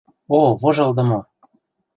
О вожылдымо!..